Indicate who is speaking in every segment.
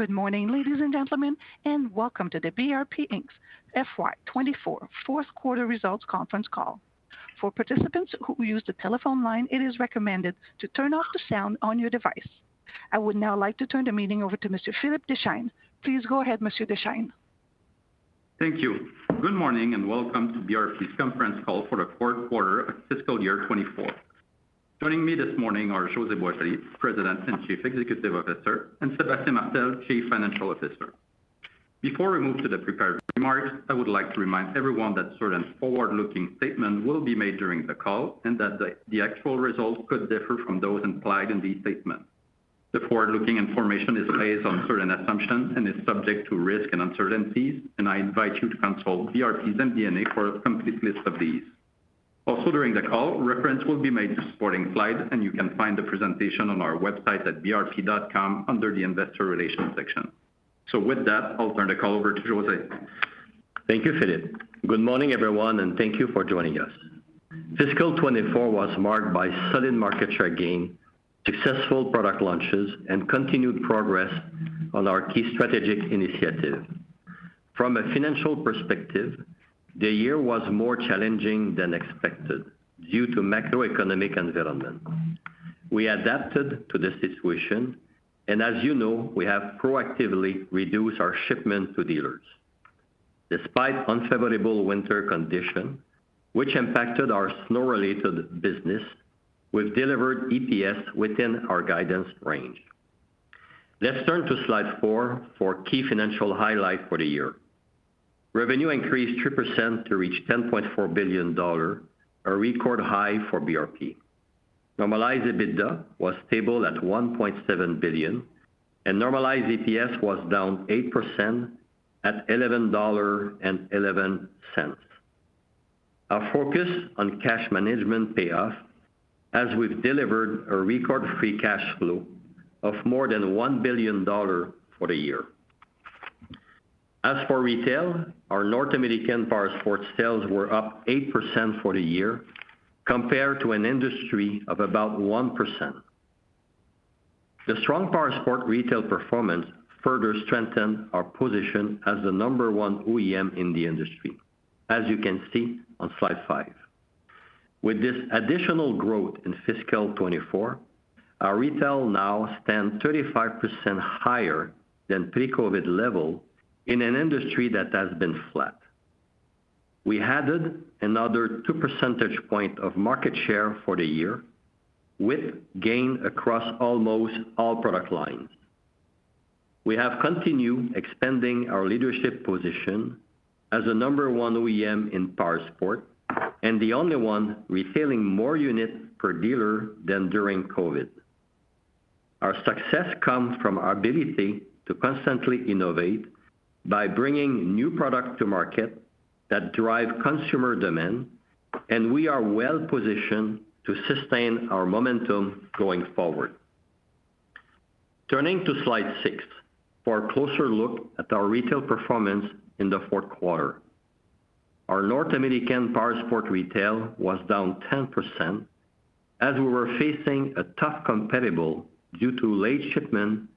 Speaker 1: Good morning, ladies and gentlemen, and welcome to the BRP Inc. FY24 fourth quarter results conference call. For participants who use the telephone line, it is recommended to turn off the sound on your device. I would now like to turn the meeting over to Mr. Philippe Deschênes. Please go ahead, Mr. Deschênes.
Speaker 2: Thank you. Good morning and welcome to BRP's conference call for the fourth quarter of fiscal year 2024. Joining me this morning are José Boisjoli, President and Chief Executive Officer, and Sébastien Martel, Chief Financial Officer. Before we move to the prepared remarks, I would like to remind everyone that certain forward-looking statements will be made during the call and that the actual results could differ from those implied in these statements. The forward-looking information is based on certain assumptions and is subject to risk and uncertainties, and I invite you to consult BRP's MD&A for a complete list of these. Also, during the call, references will be made to supporting slides, and you can find the presentation on our website at brp.com under the Investor Relations section. With that, I'll turn the call over to José.
Speaker 3: Thank you, Philippe. Good morning, everyone, and thank you for joining us. Fiscal 2024 was marked by solid market share gain, successful product launches, and continued progress on our key strategic initiatives. From a financial perspective, the year was more challenging than expected due to macroeconomic environment. We adapted to the situation, and as you know, we have proactively reduced our shipment to dealers. Despite unfavorable winter conditions, which impacted our snow-related business, we've delivered EPS within our guidance range. Let's turn to slide 4 for key financial highlights for the year. Revenue increased 3% to reach 10.4 billion dollars, a record high for BRP. Normalized EBITDA was stable at 1.7 billion, and normalized EPS was down 8% at 11.11 dollars. Our focus on cash management paid off, as we've delivered a record free cash flow of more than 1 billion dollars for the year. As for retail, our North American Powersports sales were up 8% for the year compared to an industry of about 1%. The strong Powersports retail performance further strengthened our position as the number one OEM in the industry, as you can see on slide five. With this additional growth in fiscal 2024, our retail now stands 35% higher than pre-COVID levels in an industry that has been flat. We added another 2 percentage points of market share for the year, with gain across almost all product lines. We have continued expanding our leadership position as the number one OEM in Powersports and the only one retailing more units per dealer than during COVID. Our success comes from our ability to constantly innovate by bringing new products to market that drive consumer demand, and we are well positioned to sustain our momentum going forward. Turning to slide 6 for a closer look at our retail performance in the fourth quarter. Our North American Powersports retail was down 10% as we were facing a tough comp due to late shipment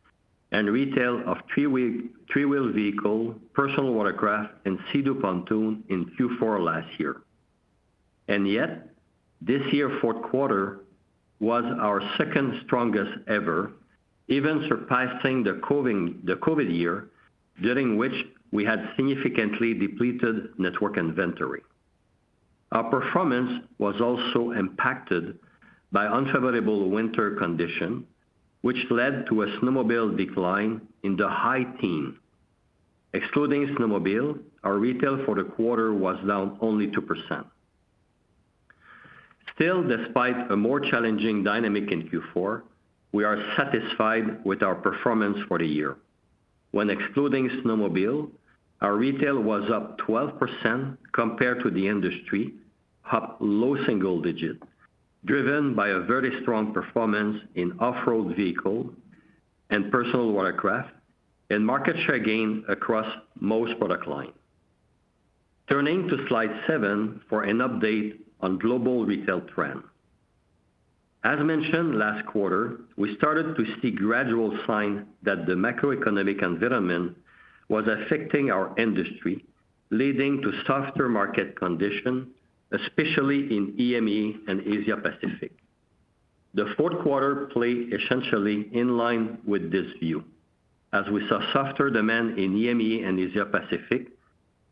Speaker 3: and retail of three-wheel vehicles, personal watercraft, and Sea-Doo pontoons in Q4 last year. Yet, this year's fourth quarter was our second strongest ever, even surpassing the COVID year during which we had significantly depleted network inventory. Our performance was also impacted by unfavorable winter conditions, which led to a snowmobile decline in the high teens. Excluding snowmobile, our retail for the quarter was down only 2%. Still, despite a more challenging dynamic in Q4, we are satisfied with our performance for the year. When excluding snowmobile, our retail was up 12% compared to the industry, up low single digits, driven by a very strong performance in off-road vehicles and personal watercraft, and market share gain across most product lines. Turning to slide 7 for an update on global retail trends. As mentioned last quarter, we started to see gradual signs that the macroeconomic environment was affecting our industry, leading to softer market conditions, especially in EMEA and Asia-Pacific. The fourth quarter played essentially in line with this view, as we saw softer demand in EMEA and Asia-Pacific,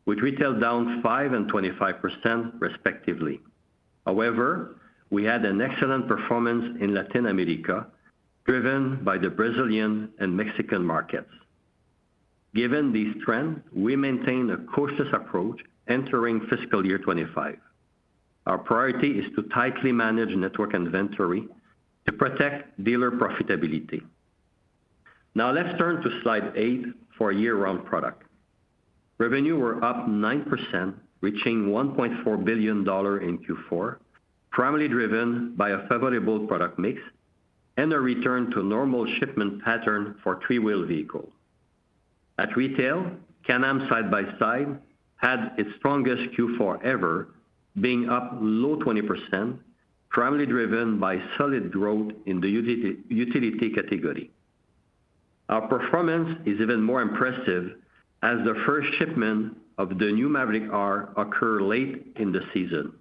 Speaker 3: with retail down 5% and 25% respectively. However, we had an excellent performance in Latin America, driven by the Brazilian and Mexican markets. Given these trends, we maintain a cautious approach entering fiscal year 2025. Our priority is to tightly manage network inventory to protect dealer profitability. Now let's turn to slide 8 for year-round product. Revenue were up 9%, reaching 1.4 billion dollar in Q4, primarily driven by a favorable product mix and a return to normal shipment pattern for three-wheel vehicles. At retail, Can-Am side-by-side had its strongest Q4 ever, being up low 20%, primarily driven by solid growth in the utility category. Our performance is even more impressive as the first shipments of the new Maverick R occur late in the season.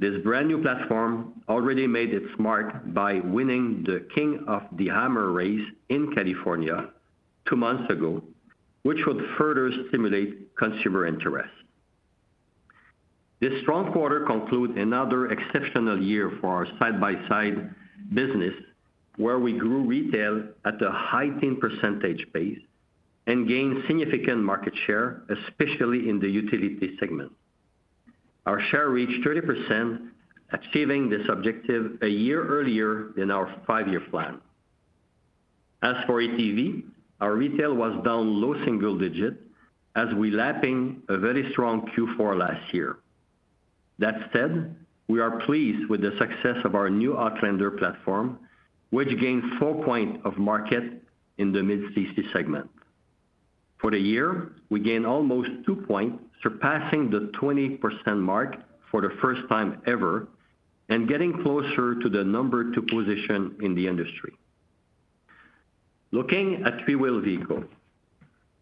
Speaker 3: This brand new platform already made its mark by winning the King of the Hammers race in California two months ago, which would further stimulate consumer interest. This strong quarter concludes another exceptional year for our side-by-side business, where we grew retail at a high teen percentage base and gained significant market share, especially in the utility segment. Our share reached 30%, achieving this objective a year earlier than our five-year plan. As for ATV, our retail was down low single digits, as we lapped a very strong Q4 last year. That said, we are pleased with the success of our new Outlander platform, which gained 4 points of market in the mid-60 segment. For the year, we gained almost 2 points, surpassing the 20% mark for the first time ever and getting closer to the number two position in the industry. Looking at three-wheel vehicles,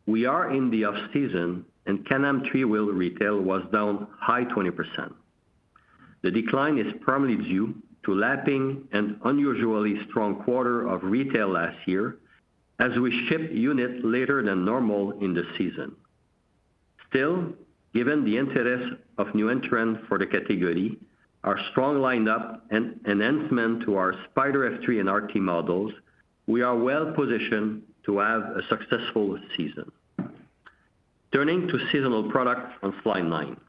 Speaker 3: we are in the off-season, and Can-Am three-wheel retail was down high 20%. The decline is primarily due to lapping an unusually strong quarter of retail last year, as we shipped units later than normal in the season. Still, given the interest of new entrants for the category, our strong lineup, and enhancements to our Spyder F3 and RT models, we are well positioned to have a successful season. Turning to seasonal products on slide 9.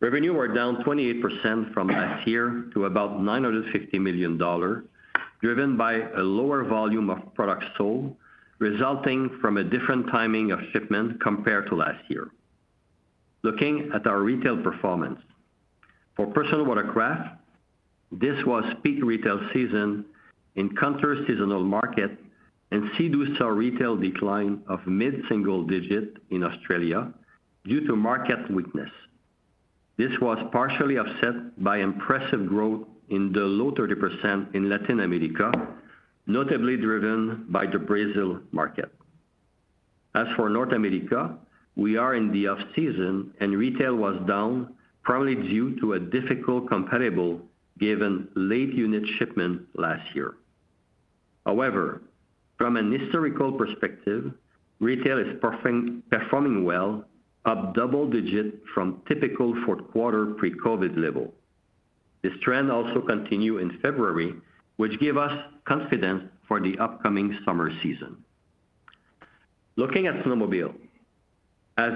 Speaker 3: Revenue were down 28% from last year to about 950 million dollar, driven by a lower volume of products sold, resulting from a different timing of shipment compared to last year. Looking at our retail performance, for personal watercraft, this was peak retail season in counter-seasonal markets, and Sea-Doo retail decline of mid-single digits in Australia due to market weakness. This was partially offset by impressive growth in the low 30% in Latin America, notably driven by the Brazil market. As for North America, we are in the off-season, and retail was down primarily due to a difficult competitor given late unit shipment last year. However, from a historical perspective, retail is performing well, up double digits from typical fourth quarter pre-COVID levels. This trend also continued in February, which gave us confidence for the upcoming summer season. Looking at snowmobile, as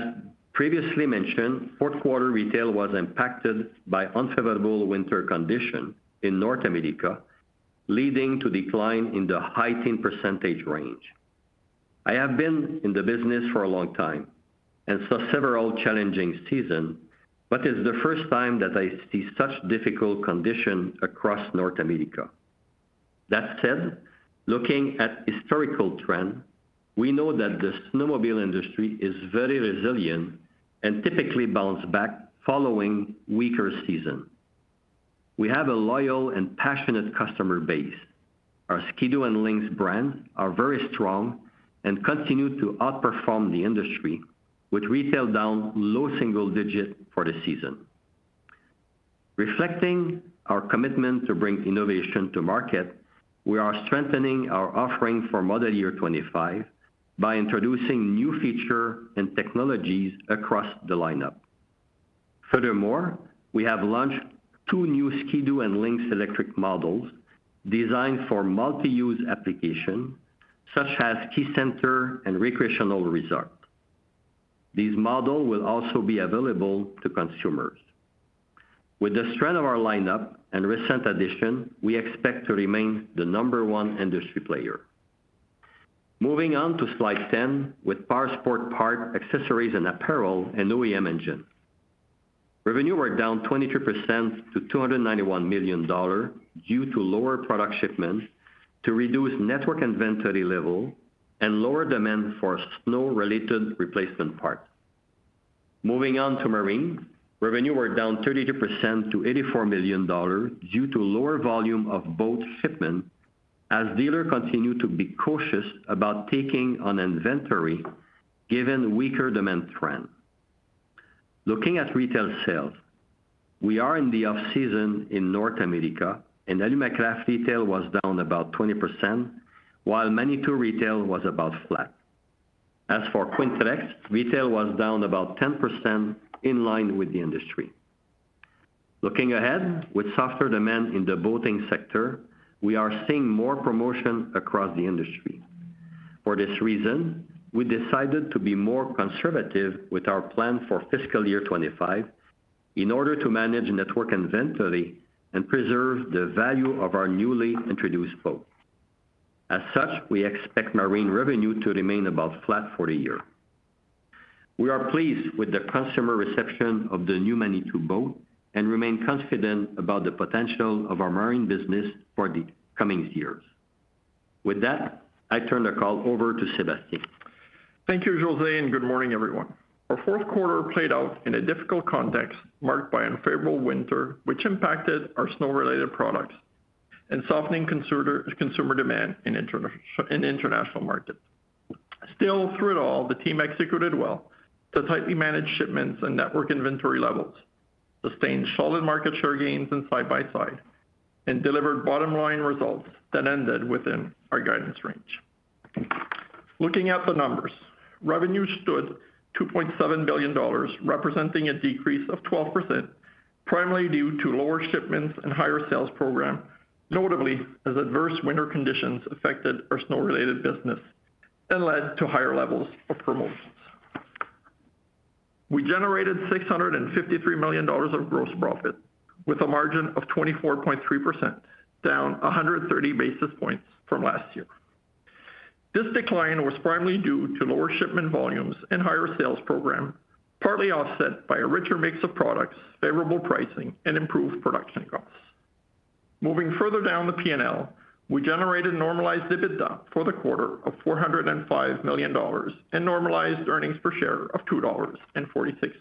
Speaker 3: previously mentioned, fourth quarter retail was impacted by unfavorable winter conditions in North America, leading to a decline in the high teen percentage range. I have been in the business for a long time and saw several challenging seasons, but it's the first time that I see such difficult conditions across North America. That said, looking at historical trends, we know that the snowmobile industry is very resilient and typically bounces back following weaker seasons. We have a loyal and passionate customer base. Our Sea-Doo and Lynx brands are very strong and continue to outperform the industry, with retail down low single digits for the season. Reflecting our commitment to bring innovation to market, we are strengthening our offering for model year 2025 by introducing new features and technologies across the lineup. Furthermore, we have launched 2 new Sea-Doo and Lynx electric models designed for multi-use applications, such as ski center and recreational resorts. These models will also be available to consumers. With the strength of our lineup and recent additions, we expect to remain the number one industry player. Moving on to slide 10, with Powersports parts, accessories, and apparel, and OEM engine revenues were down 23% to 291 million dollars due to lower product shipments to reduce network inventory levels and lower demand for snow-related replacement parts. Moving on to marine, revenues were down 32% to 84 million dollars due to lower volume of boat shipments, as dealers continue to be cautious about taking on inventory given weaker demand trends. Looking at retail sales, we are in the off-season in North America, and Alumacraft retail was down about 20%, while Manitou retail was about flat. As for Quintrex, retail was down about 10% in line with the industry. Looking ahead, with softer demand in the boating sector, we are seeing more promotion across the industry. For this reason, we decided to be more conservative with our plan for fiscal year 2025 in order to manage network inventory and preserve the value of our newly introduced boats. As such, we expect marine revenue to remain about flat for the year. We are pleased with the consumer reception of the new Manitou boat and remain confident about the potential of our marine business for the coming years. With that, I turn the call over to Sébastien.
Speaker 4: Thank you, José, and good morning, everyone. Our fourth quarter played out in a difficult context marked by an unfavorable winter, which impacted our snow-related products and softened consumer demand in international markets. Still, through it all, the team executed well to tightly manage shipments and network inventory levels, sustained solid market share gains in side-by-side, and delivered bottom-line results that ended within our guidance range. Looking at the numbers, revenue stood at 2.7 billion dollars, representing a decrease of 12%, primarily due to lower shipments and higher sales programs, notably as adverse winter conditions affected our snow-related business and led to higher levels of promotions. We generated 653 million dollars of gross profit, with a margin of 24.3%, down 130 basis points from last year. This decline was primarily due to lower shipment volumes and higher sales programs, partly offset by a richer mix of products, favorable pricing, and improved production costs. Moving further down the P&L, we generated normalized EBITDA for the quarter of 405 million dollars and normalized earnings per share of $2.46.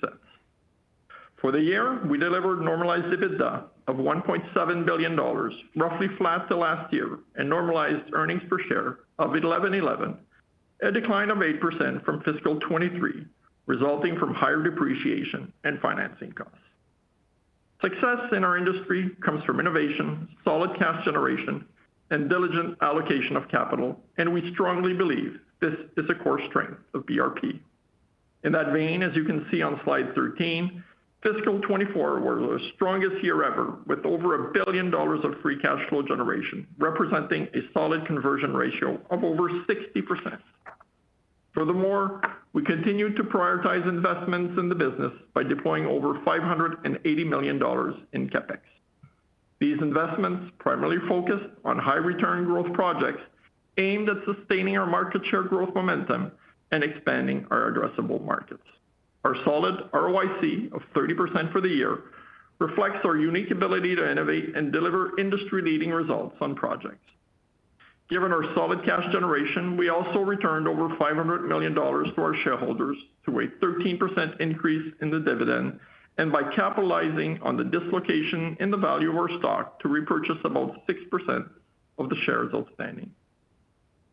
Speaker 4: For the year, we delivered normalized EBITDA of 1.7 billion dollars, roughly flat to last year, and normalized earnings per share of $11.11, a decline of 8% from fiscal 2023, resulting from higher depreciation and financing costs. Success in our industry comes from innovation, solid cash generation, and diligent allocation of capital, and we strongly believe this is a core strength of BRP. In that vein, as you can see on slide 13, fiscal 2024 was the strongest year ever, with over 1 billion dollars of free cash flow generation, representing a solid conversion ratio of over 60%. Furthermore, we continued to prioritize investments in the business by deploying over 580 million dollars in CapEx. These investments primarily focused on high-return growth projects aimed at sustaining our market share growth momentum and expanding our addressable markets. Our solid ROIC of 30% for the year reflects our unique ability to innovate and deliver industry-leading results on projects. Given our solid cash generation, we also returned over 500 million dollars to our shareholders through a 13% increase in the dividend and by capitalizing on the dislocation in the value of our stock to repurchase about 6% of the shares outstanding.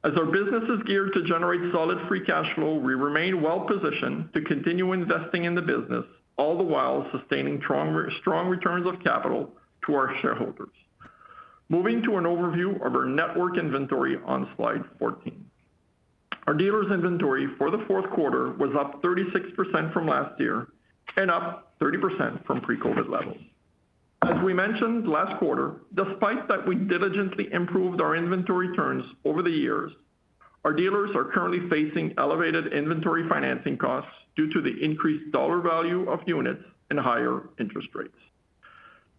Speaker 4: As our business is geared to generate solid free cash flow, we remain well positioned to continue investing in the business, all the while sustaining strong returns of capital to our shareholders. Moving to an overview of our network inventory on slide 14. Our dealers' inventory for the fourth quarter was up 36% from last year and up 30% from pre-COVID levels. As we mentioned last quarter, despite that we diligently improved our inventory turns over the years, our dealers are currently facing elevated inventory financing costs due to the increased dollar value of units and higher interest rates.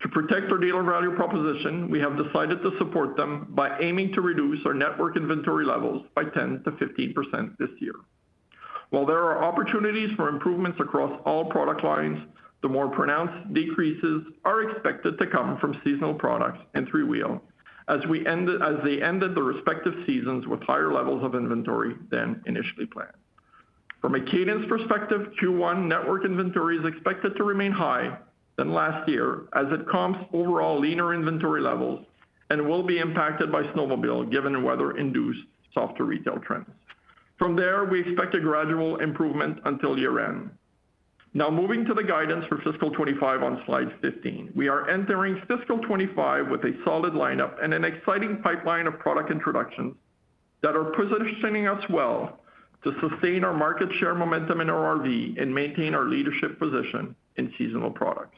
Speaker 4: To protect our dealer value proposition, we have decided to support them by aiming to reduce our network inventory levels by 10%-15% this year. While there are opportunities for improvements across all product lines, the more pronounced decreases are expected to come from seasonal products and three-wheel as they ended the respective seasons with higher levels of inventory than initially planned. From a cadence perspective, Q1 network inventory is expected to remain higher than last year as it comps overall leaner inventory levels and will be impacted by snowmobile given weather-induced softer retail trends. From there, we expect a gradual improvement until year-end. Now moving to the guidance for fiscal 2025 on slide 15. We are entering fiscal 2025 with a solid lineup and an exciting pipeline of product introductions that are positioning us well to sustain our market share momentum in RRV and maintain our leadership position in seasonal products.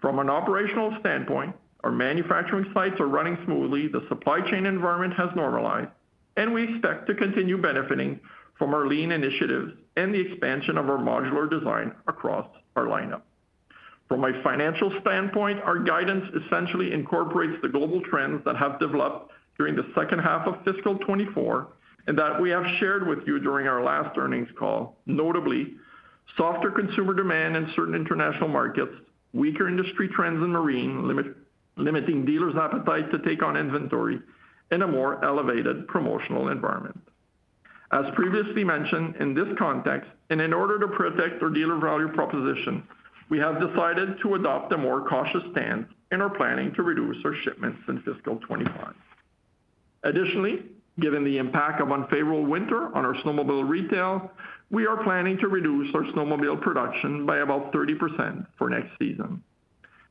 Speaker 4: From an operational standpoint, our manufacturing sites are running smoothly, the supply chain environment has normalized, and we expect to continue benefiting from our lean initiatives and the expansion of our modular design across our lineup. From a financial standpoint, our guidance essentially incorporates the global trends that have developed during the second half of fiscal 2024 and that we have shared with you during our last earnings call, notably softer consumer demand in certain international markets, weaker industry trends in marine, limiting dealers' appetite to take on inventory, and a more elevated promotional environment. As previously mentioned, in this context, and in order to protect our dealer value proposition, we have decided to adopt a more cautious stance in our planning to reduce our shipments in fiscal 2025. Additionally, given the impact of unfavorable winter on our snowmobile retail, we are planning to reduce our snowmobile production by about 30% for next season.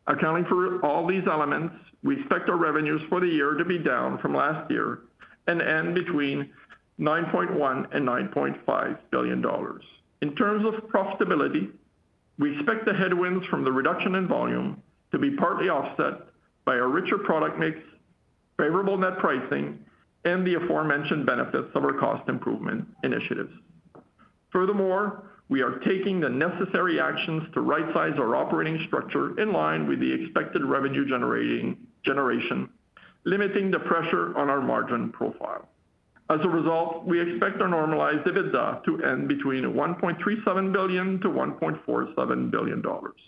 Speaker 4: Accounting for all these elements, we expect our revenues for the year to be down from last year and end between 9.1 billion and 9.5 billion dollars. In terms of profitability, we expect the headwinds from the reduction in volume to be partly offset by our richer product mix, favorable net pricing, and the aforementioned benefits of our cost improvement initiatives. Furthermore, we are taking the necessary actions to right-size our operating structure in line with the expected revenue generation, limiting the pressure on our margin profile. As a result, we expect our normalized EBITDA to end between 1.37 billion-1.47 billion dollars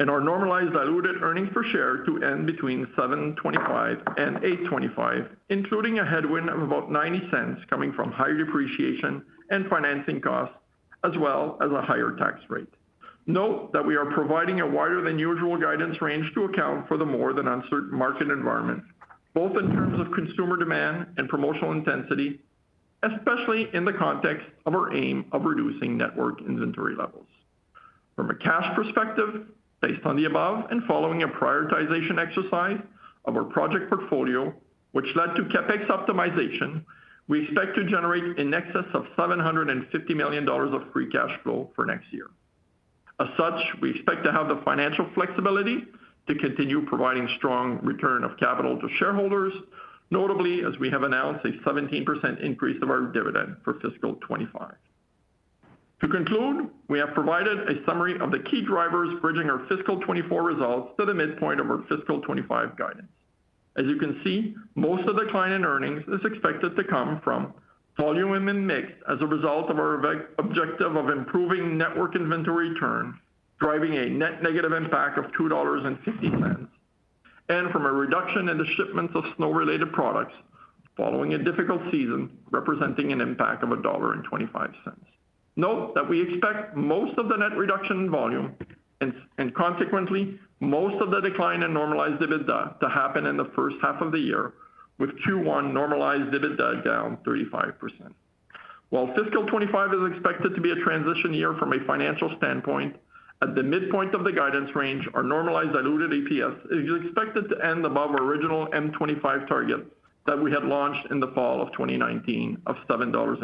Speaker 4: and our normalized diluted earnings per share to end between 7.25-8.25, including a headwind of about 0.90 coming from higher depreciation and financing costs, as well as a higher tax rate. Note that we are providing a wider than usual guidance range to account for the more than uncertain market environment, both in terms of consumer demand and promotional intensity, especially in the context of our aim of reducing network inventory levels. From a cash perspective, based on the above and following a prioritization exercise of our project portfolio, which led to CapEx optimization, we expect to generate in excess of 750 million dollars of free cash flow for next year. As such, we expect to have the financial flexibility to continue providing strong return of capital to shareholders, notably as we have announced a 17% increase of our dividend for fiscal 2025. To conclude, we have provided a summary of the key drivers bridging our fiscal 2024 results to the midpoint of our fiscal 2025 guidance. As you can see, most of the decline in earnings is expected to come from volume in mix as a result of our objective of improving network inventory turn, driving a net negative impact of 2.50 dollars, and from a reduction in the shipments of snow-related products following a difficult season representing an impact of 1.25 dollar. Note that we expect most of the net reduction in volume and consequently, most of the decline in normalized EBITDA to happen in the first half of the year, with Q1 normalized EBITDA down 35%. While fiscal 2025 is expected to be a transition year from a financial standpoint, at the midpoint of the guidance range, our normalized diluted EPS is expected to end above our original FY25 target that we had launched in the fall of 2019 of 7.50 dollars.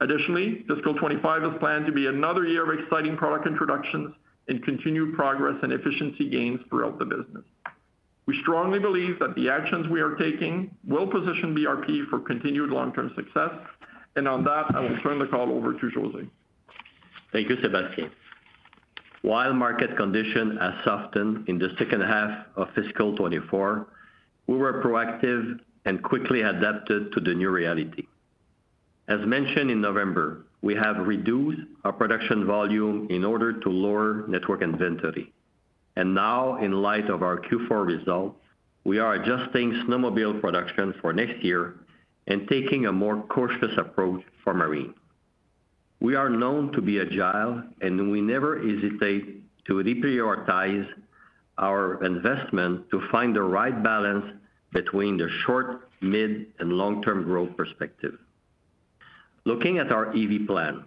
Speaker 4: Additionally, fiscal 2025 is planned to be another year of exciting product introductions and continued progress and efficiency gains throughout the business. We strongly believe that the actions we are taking will position BRP for continued long-term success, and on that, I will turn the call over to José.
Speaker 3: Thank you, Sébastien. While market conditions have softened in the second half of fiscal 2024, we were proactive and quickly adapted to the new reality. As mentioned in November, we have reduced our production volume in order to lower network inventory, and now, in light of our Q4 results, we are adjusting snowmobile production for next year and taking a more cautious approach for marine. We are known to be agile, and we never hesitate to reprioritize our investments to find the right balance between the short, mid, and long-term growth perspective. Looking at our EV plan,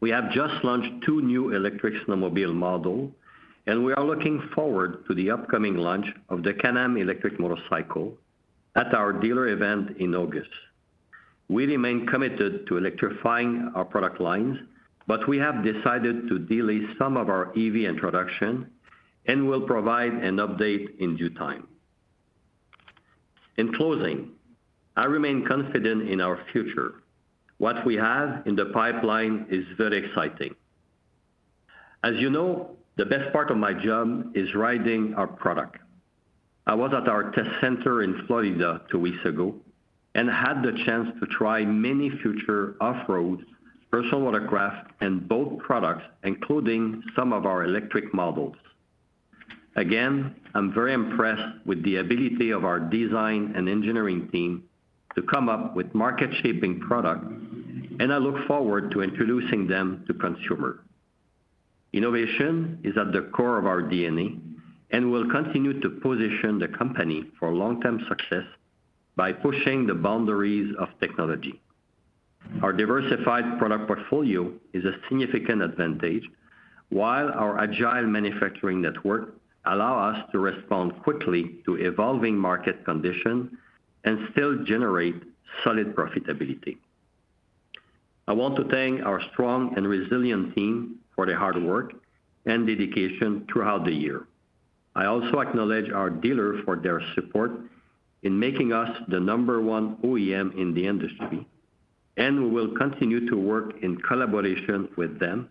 Speaker 3: we have just launched two new electric snowmobile models, and we are looking forward to the upcoming launch of the Can-Am electric motorcycle at our dealer event in August. We remain committed to electrifying our product lines, but we have decided to delay some of our EV introduction and will provide an update in due time. In closing, I remain confident in our future. What we have in the pipeline is very exciting. As you know, the best part of my job is riding our product. I was at our test center in Florida two weeks ago and had the chance to try many future off-road personal watercraft and boat products, including some of our electric models. Again, I'm very impressed with the ability of our design and engineering team to come up with market-shaping products, and I look forward to introducing them to consumers. Innovation is at the core of our DNA and will continue to position the company for long-term success by pushing the boundaries of technology. Our diversified product portfolio is a significant advantage, while our agile manufacturing network allows us to respond quickly to evolving market conditions and still generate solid profitability. I want to thank our strong and resilient team for their hard work and dedication throughout the year. I also acknowledge our dealer for their support in making us the number one OEM in the industry, and we will continue to work in collaboration with them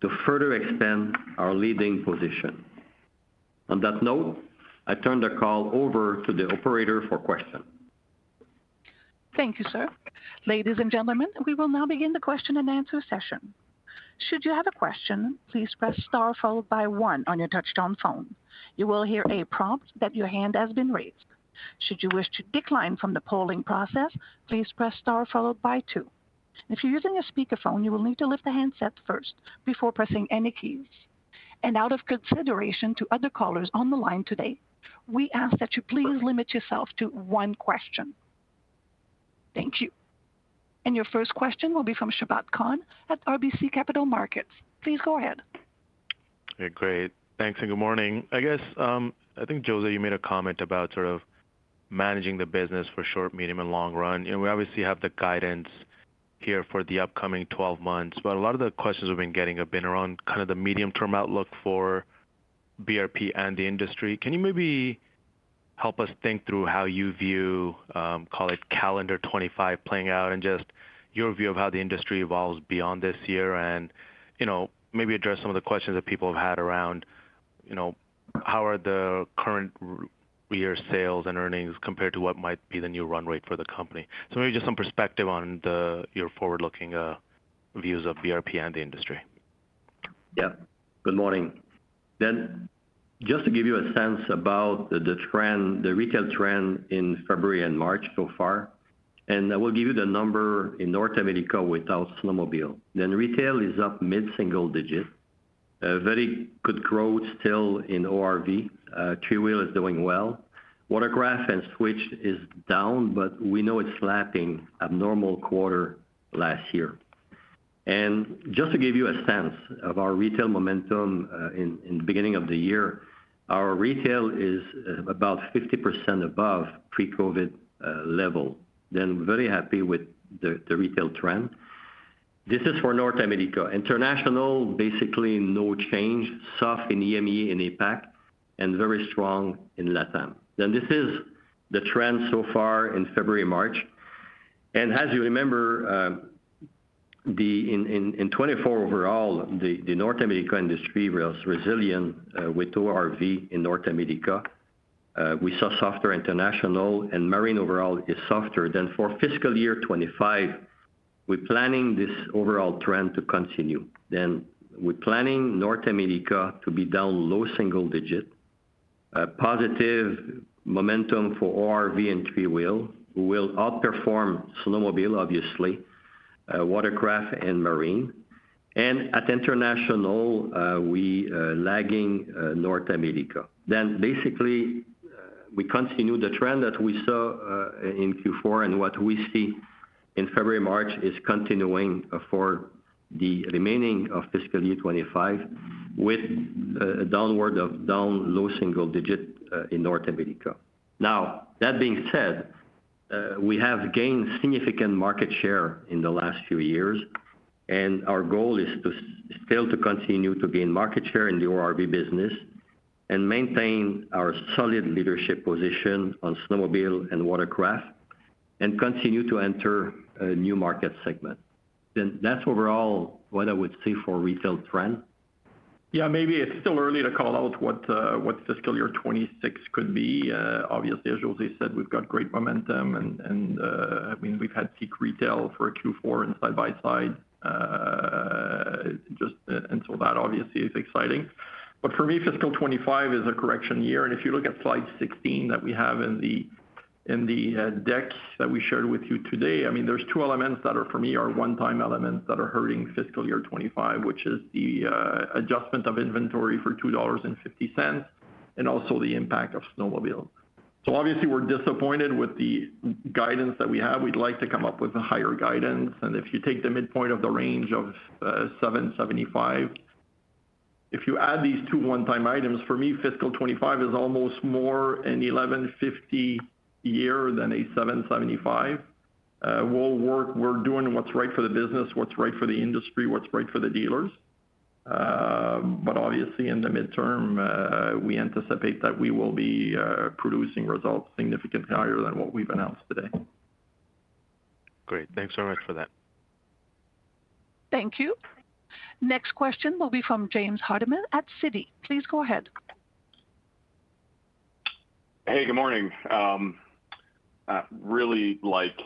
Speaker 3: to further expand our leading position. On that note, I turn the call over to the operator for questions.
Speaker 1: Thank you, sir. Ladies and gentlemen, we will now begin the question and answer session. Should you have a question, please press star followed by one on your touch-tone phone. You will hear a prompt that your hand has been raised. Should you wish to decline from the polling process, please press star followed by two. If you're using a speakerphone, you will need to lift the handset first before pressing any keys. Out of consideration to other callers on the line today, we ask that you please limit yourself to one question. Thank you. Your first question will be from Sabahat Khan at RBC Capital Markets. Please go ahead.
Speaker 5: Great. Thanks and good morning. I guess I think, José, you made a comment about sort of managing the business for short, medium, and long run. We obviously have the guidance here for the upcoming 12 months, but a lot of the questions we've been getting have been around kind of the medium-term outlook for BRP and the industry. Can you maybe help us think through how you view, call it, calendar 2025 playing out and just your view of how the industry evolves beyond this year and maybe address some of the questions that people have had around how are the current year sales and earnings compared to what might be the new run rate for the company? So maybe just some perspective on your forward-looking views of BRP and the industry.
Speaker 3: Yeah. Good morning. Then just to give you a sense about the retail trend in February and March so far, and I will give you the number in North America without snowmobile. Then retail is up mid-single digit. Very good growth still in ORV. Three-wheel is doing well. Watercraft and Switch is down, but we know it's lapping abnormal quarter last year. And just to give you a sense of our retail momentum in the beginning of the year, our retail is about 50% above pre-COVID level. Then very happy with the retail trend. This is for North America. International, basically no change, soft in EMEA and APAC and very strong in LATAM. Then this is the trend so far in February and March. And as you remember, in 2024 overall, the North America industry was resilient with ORV in North America. We saw softer international, and marine overall is softer. For fiscal year 2025, we're planning this overall trend to continue. We're planning North America to be down low single digit, positive momentum for ORV and three-wheel who will outperform snowmobile, obviously, watercraft and marine. And at international, we're lagging North America. Basically, we continue the trend that we saw in Q4, and what we see in February and March is continuing for the remaining of fiscal year 2025 with a downward of down low single digit in North America. Now, that being said, we have gained significant market share in the last few years, and our goal is still to continue to gain market share in the ORV business and maintain our solid leadership position on snowmobile and watercraft and continue to enter a new market segment. That's overall what I would say for retail trend.
Speaker 4: Yeah, maybe it's still early to call out what fiscal year 2026 could be. Obviously, as José said, we've got great momentum, and I mean, we've had peak retail for Q4 and side by side, and so that obviously is exciting. But for me, fiscal 2025 is a correction year. If you look at slide 16 that we have in the deck that we shared with you today, I mean, there's two elements that are for me are one-time elements that are hurting fiscal year 2025, which is the adjustment of inventory for 2.50 dollars and also the impact of snowmobiles. So obviously, we're disappointed with the guidance that we have. We'd like to come up with a higher guidance. And if you take the midpoint of the range of 7.75, if you add these two one-time items, for me, fiscal 2025 is almost more an 11.50 year than a 7.75. We'll work. We're doing what's right for the business, what's right for the industry, what's right for the dealers. But obviously, in the midterm, we anticipate that we will be producing results significantly higher than what we've announced today.
Speaker 5: Great. Thanks so much for that.
Speaker 1: Thank you. Next question will be from James Hardiman at Citi. Please go ahead.
Speaker 6: Hey, good morning. I really like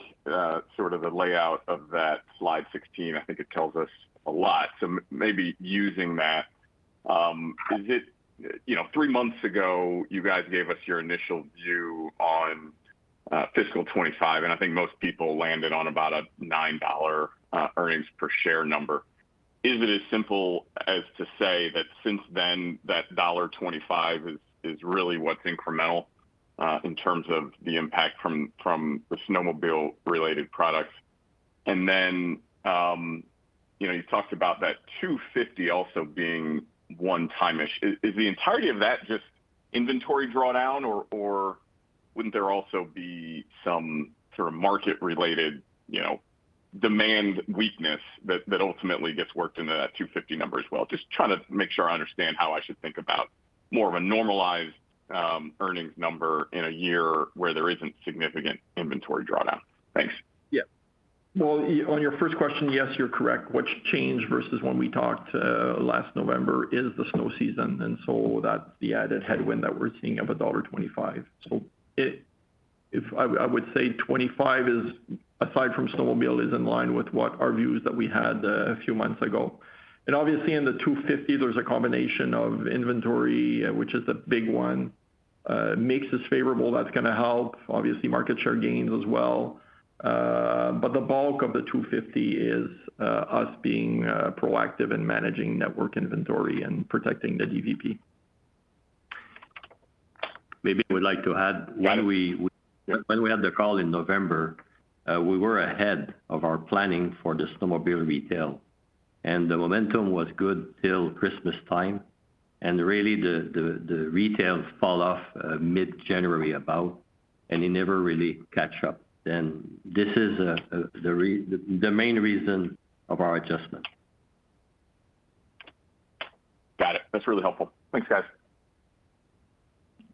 Speaker 6: sort of the layout of that slide 16. I think it tells us a lot. So maybe using that, is it three months ago, you guys gave us your initial view on fiscal 2025, and I think most people landed on about a 9 dollar earnings per share number. Is it as simple as to say that since then, that dollar 1.25 is really what's incremental in terms of the impact from the snowmobile-related products? And then you talked about that 2.50 also being one-time-ish. Is the entirety of that just inventory drawdown, or wouldn't there also be some sort of market-related demand weakness that ultimately gets worked into that 2.50 number as well? Just trying to make sure I understand how I should think about more of a normalized earnings number in a year where there isn't significant inventory drawdown. Thanks.
Speaker 4: Yeah. Well, on your first question, yes, you're correct. What's changed versus when we talked last November is the snow season, and so that's the added headwind that we're seeing of dollar 1.25. So I would say '25, aside from snowmobile, is in line with what our views that we had a few months ago. And obviously, in the 2.50, there's a combination of inventory, which is the big one. Makes us favorable, that's going to help. Obviously, market share gains as well. But the bulk of the 2.50 is us being proactive and managing network inventory and protecting the DVP.
Speaker 3: Maybe I would like to add. When we had the call in November, we were ahead of our planning for the snowmobile retail, and the momentum was good till Christmas time. Really, the retail fell off about mid-January, and it never really caught up. This is the main reason of our adjustment.
Speaker 6: Got it. That's really helpful. Thanks, guys.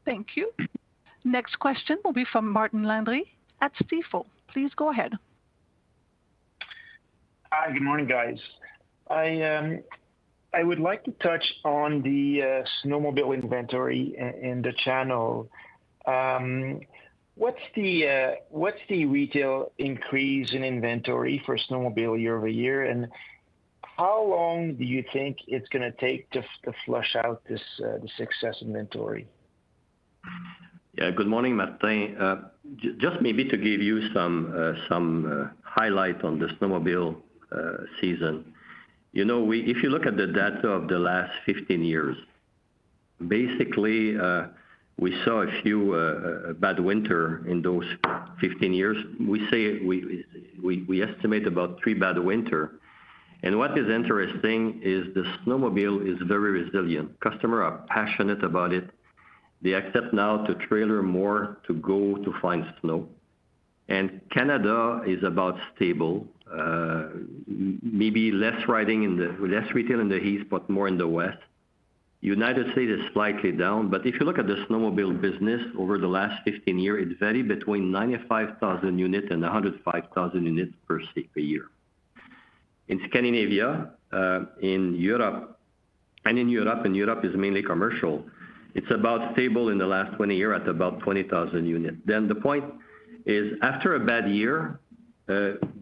Speaker 1: Thank you. Next question will be from Martin Landry at Stifel. Please go ahead.
Speaker 7: Hi. Good morning, guys. I would like to touch on the snowmobile inventory in the channel. What's the retail increase in inventory for snowmobile year over year, and how long do you think it's going to take to flush out this excess inventory?
Speaker 3: Yeah. Good morning, Martin. Just maybe to give you some highlight on the snowmobile season. If you look at the data of the last 15 years, basically, we saw a few bad winters in those 15 years. We estimate about three bad winters. And what is interesting is the snowmobile is very resilient. Customers are passionate about it. They accept now to trailer more to go to find snow. And Canada is about stable, maybe less retail in the east but more in the west. United States is slightly down, but if you look at the snowmobile business over the last 15 years, it varied between 95,000 units and 105,000 units per year. In Scandinavia, in Europe, and in Europe, and Europe is mainly commercial, it's about stable in the last 20 years at about 20,000 units. Then the point is, after a bad year,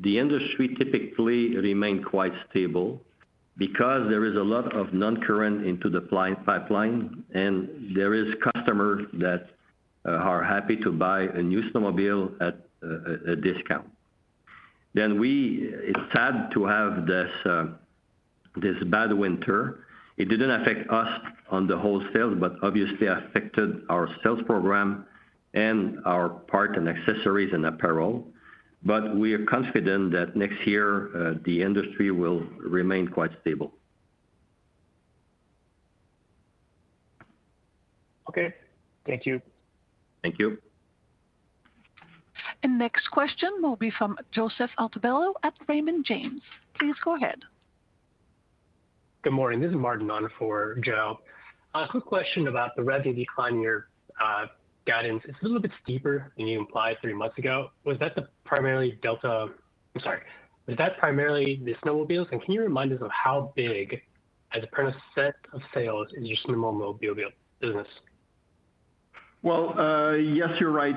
Speaker 3: the industry typically remains quite stable because there is a lot of non-current into the pipeline, and there are customers that are happy to buy a new snowmobile at a discount. Then it's sad to have this bad winter. It didn't affect us on the wholesale but obviously affected our sales program and our parts and accessories and apparel. But we are confident that next year, the industry will remain quite stable.
Speaker 7: Okay. Thank you.
Speaker 3: Thank you.
Speaker 1: Next question will be from Joseph Altobello at Raymond James. Please go ahead.
Speaker 8: Good morning. This is Martin on for Joe. Quick question about the revenue decline year guidance. It's a little bit steeper than you implied three months ago. Was that primarily Delta? I'm sorry. Was that primarily the snowmobiles? And can you remind us of how big, as a % of sales, is your snowmobile business?
Speaker 4: Well, yes, you're right.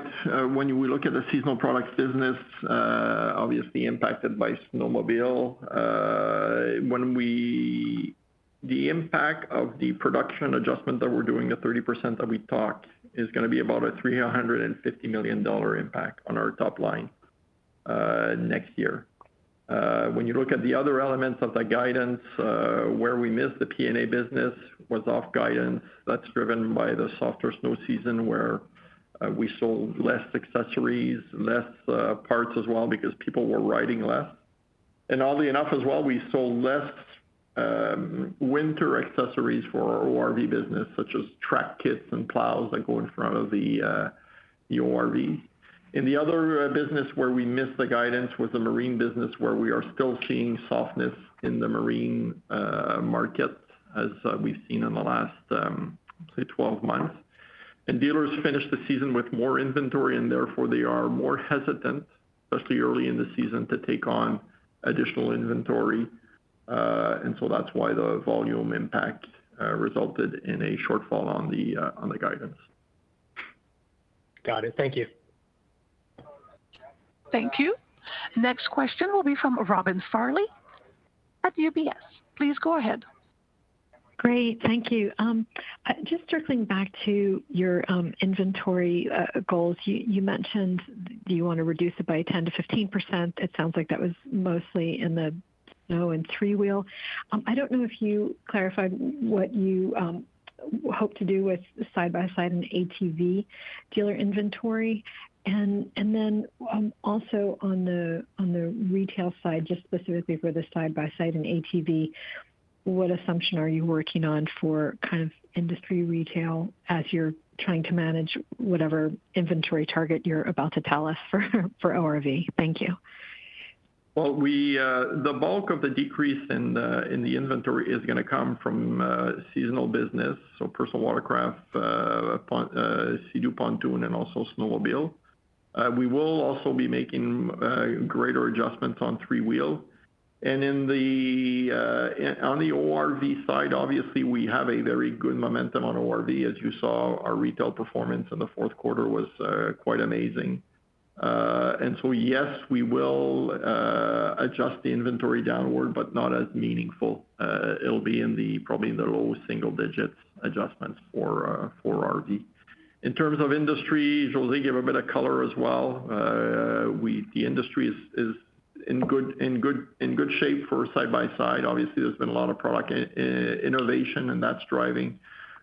Speaker 4: When we look at the seasonal products business, obviously impacted by snowmobile, the impact of the production adjustment that we're doing, the 30% that we talked, is going to be about a 350 million dollar impact on our top line next year. When you look at the other elements of that guidance, where we missed the P&A business was off-guidance. That's driven by the softer snow season where we sold less accessories, less parts as well because people were riding less. And oddly enough as well, we sold less winter accessories for our ORV business such as track kits and plows that go in front of the ORV. And the other business where we missed the guidance was the marine business where we are still seeing softness in the marine market as we've seen in the last, say, 12 months. Dealers finish the season with more inventory, and therefore, they are more hesitant, especially early in the season, to take on additional inventory. And so that's why the volume impact resulted in a shortfall on the guidance.
Speaker 8: Got it. Thank you.
Speaker 1: Thank you. Next question will be from Robin Farley at UBS. Please go ahead.
Speaker 9: Great. Thank you. Just circling back to your inventory goals, you mentioned you want to reduce it by 10%-15%. It sounds like that was mostly in the snow and three-wheel. I don't know if you clarified what you hope to do with side-by-side and ATV dealer inventory. And then also on the retail side, just specifically for the side-by-side and ATV, what assumption are you working on for kind of industry retail as you're trying to manage whatever inventory target you're about to tell us for ORV? Thank you.
Speaker 4: Well, the bulk of the decrease in the inventory is going to come from seasonal business, so personal watercraft, Sea-Doo pontoon, and also snowmobile. We will also be making greater adjustments on three-wheel. And on the ORV side, obviously, we have a very good momentum on ORV. As you saw, our retail performance in the fourth quarter was quite amazing. And so yes, we will adjust the inventory downward but not as meaningful. It'll be probably in the low single-digit adjustments for ORV. In terms of industry, José, give a bit of color as well. The industry is in good shape for side-by-side. Obviously, there's been a lot of product innovation, and that's driving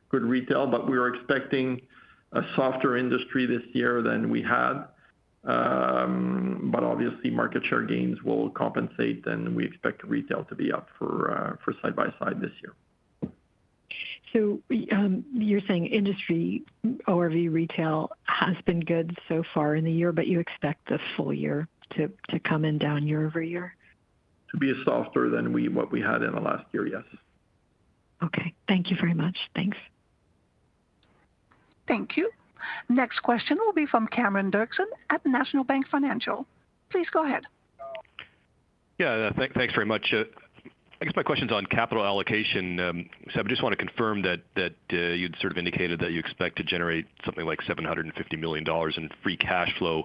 Speaker 4: good retail. But we are expecting a softer industry this year than we had. But obviously, market share gains will compensate, and we expect retail to be up for side-by-side this year.
Speaker 9: So you're saying industry, ORV, retail has been good so far in the year, but you expect the full year to come in down year over year?
Speaker 4: To be softer than what we had in the last year, yes.
Speaker 9: Okay. Thank you very much. Thanks.
Speaker 1: Thank you. Next question will be from Cameron Doerksen at National Bank Financial. Please go ahead.
Speaker 10: Yeah. Thanks very much. I guess my question's on capital allocation. So I just want to confirm that you'd sort of indicated that you expect to generate something like 750 million dollars in free cash flow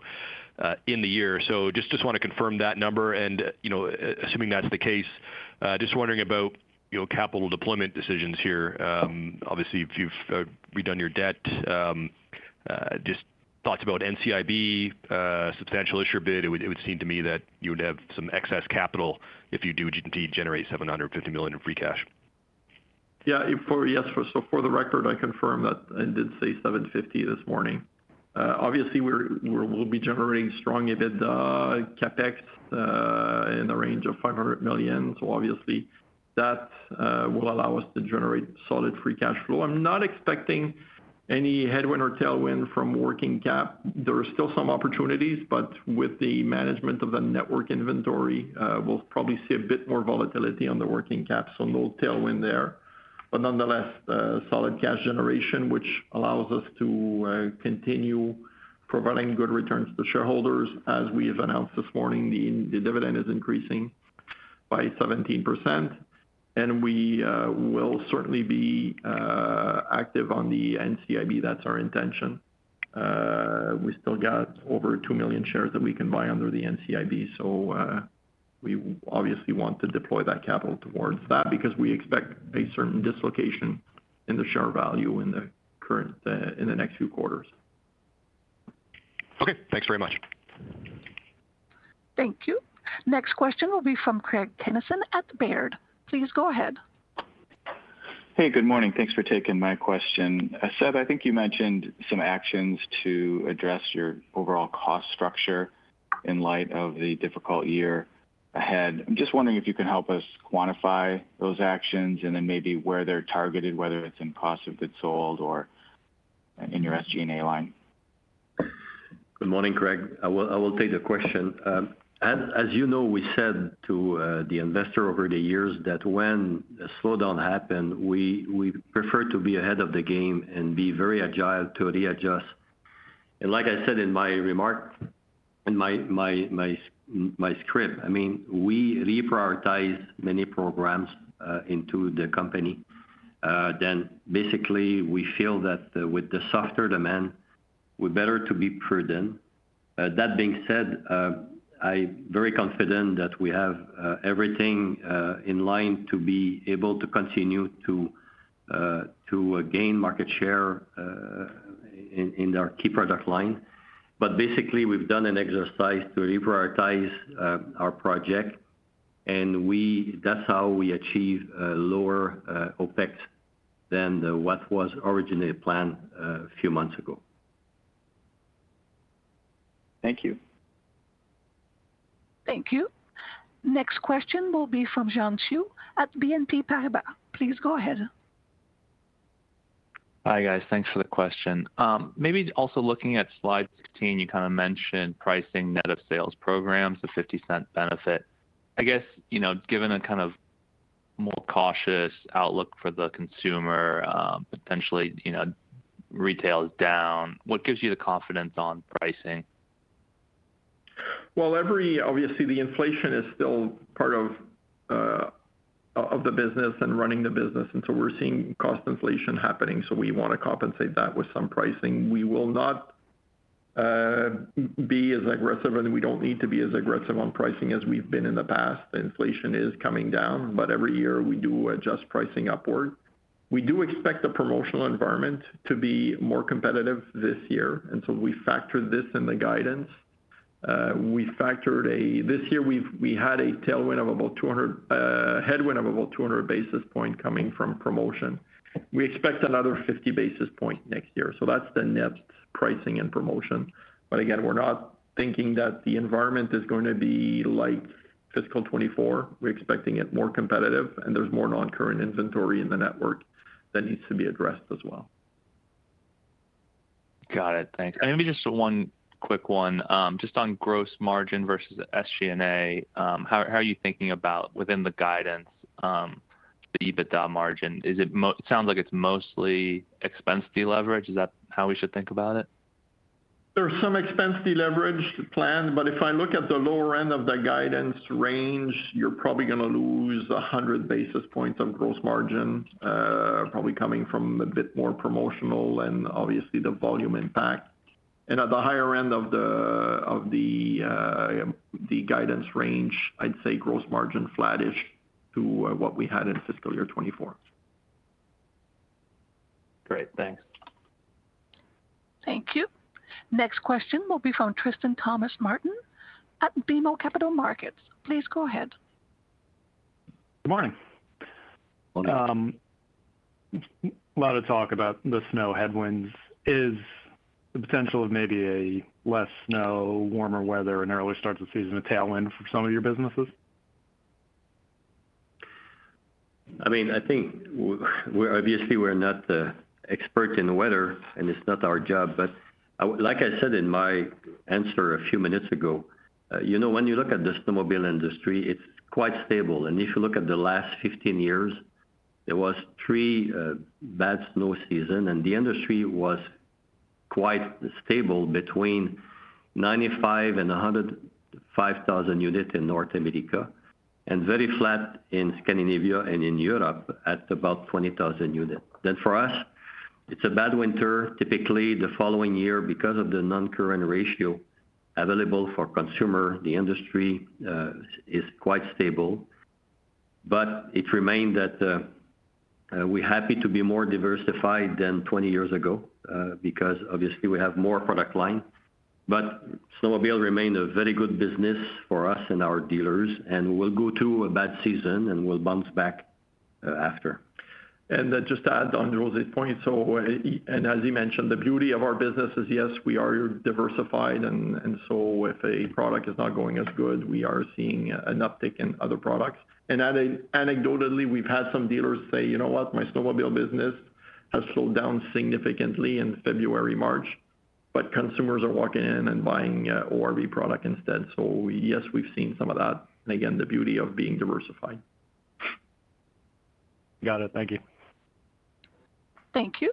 Speaker 10: in the year. So just want to confirm that number. And assuming that's the case, just wondering about capital deployment decisions here. Obviously, if you've redone your debt, just thoughts about NCIB, substantial issuer bid. It would seem to me that you would have some excess capital if you do indeed generate 750 million in free cash.
Speaker 4: Yeah. Yes. So for the record, I confirm that I did say 750 million this morning. Obviously, we'll be generating strong EBITDA, CapEx in the range of 500 million. So obviously, that will allow us to generate solid free cash flow. I'm not expecting any headwind or tailwind from working cap. There are still some opportunities, but with the management of the network inventory, we'll probably see a bit more volatility on the working cap. So no tailwind there. But nonetheless, solid cash generation, which allows us to continue providing good returns to shareholders. As we have announced this morning, the dividend is increasing by 17%. And we will certainly be active on the NCIB. That's our intention. We still got over 2 million shares that we can buy under the NCIB. We obviously want to deploy that capital towards that because we expect a certain dislocation in the share value in the next few quarters.
Speaker 10: Okay. Thanks very much.
Speaker 1: Thank you. Next question will be from Craig Kennison at Baird. Please go ahead.
Speaker 11: Hey. Good morning. Thanks for taking my question. Seb, I think you mentioned some actions to address your overall cost structure in light of the difficult year ahead. I'm just wondering if you can help us quantify those actions and then maybe where they're targeted, whether it's in cost of goods sold or in your SG&A line.
Speaker 3: Good morning, Craig. I will take the question. As you know, we said to the investors over the years that when the slowdown happened, we prefer to be ahead of the game and be very agile to readjust. And like I said in my remark, in my script, I mean, we reprioritize many programs into the company. Then basically, we feel that with the softer demand, we're better to be prudent. That being said, I'm very confident that we have everything in line to be able to continue to gain market share in our key product line. But basically, we've done an exercise to reprioritize our project, and that's how we achieve lower OpEx than what was originally planned a few months ago.
Speaker 11: Thank you.
Speaker 1: Thank you. Next question will be from Xian Siew at BNP Paribas. Please go ahead.
Speaker 12: Hi, guys. Thanks for the question. Maybe also looking at slide 16, you kind of mentioned pricing net of sales programs, the 0.50 benefit. I guess given a kind of more cautious outlook for the consumer, potentially retail is down, what gives you the confidence on pricing?
Speaker 4: Well, obviously, the inflation is still part of the business and running the business. And so we're seeing cost inflation happening, so we want to compensate that with some pricing. We will not be as aggressive, and we don't need to be as aggressive on pricing as we've been in the past. The inflation is coming down, but every year, we do adjust pricing upward. We do expect the promotional environment to be more competitive this year. And so we factored this in the guidance. This year, we had a tailwind of about 200, headwind of about 200 basis points coming from promotion. We expect another 50 basis points next year. So that's the net pricing and promotion. But again, we're not thinking that the environment is going to be like fiscal 2024. We're expecting it more competitive, and there's more non-current inventory in the network that needs to be addressed as well.
Speaker 12: Got it. Thanks. And maybe just one quick one. Just on gross margin versus SG&A, how are you thinking about within the guidance, the EBITDA margin? It sounds like it's mostly expense leverage. Is that how we should think about it?
Speaker 4: There's some expense leverage planned, but if I look at the lower end of the guidance range, you're probably going to lose 100 basis points of gross margin, probably coming from a bit more promotional and obviously the volume impact. And at the higher end of the guidance range, I'd say gross margin flat-ish to what we had in fiscal year 2024.
Speaker 12: Great. Thanks.
Speaker 1: Thank you. Next question will be from Tristan Thomas-Martin at BMO Capital Markets. Please go ahead.
Speaker 13: Good morning. A lot of talk about the snow headwinds. Is the potential of maybe less snow, warmer weather, an early start to the season, a tailwind for some of your businesses?
Speaker 3: I mean, I think obviously, we're not the expert in weather, and it's not our job. But like I said in my answer a few minutes ago, when you look at the snowmobile industry, it's quite stable. If you look at the last 15 years, there were three bad snow seasons, and the industry was quite stable between 95,000 and 105,000 units in North America and very flat in Scandinavia and in Europe at about 20,000 units. Then for us, it's a bad winter. Typically, the following year, because of the non-current ratio available for consumer, the industry is quite stable. But it remains that we're happy to be more diversified than 20 years ago because obviously, we have more product line. But snowmobile remains a very good business for us and our dealers, and we'll go through a bad season, and we'll bounce back after.
Speaker 4: Just to add on José's point, and as he mentioned, the beauty of our business is, yes, we are diversified. And so if a product is not going as good, we are seeing an uptick in other products. And anecdotally, we've had some dealers say, "You know what? My snowmobile business has slowed down significantly in February, March, but consumers are walking in and buying ORV product instead." So yes, we've seen some of that. And again, the beauty of being diversified.
Speaker 13: Got it. Thank you.
Speaker 1: Thank you.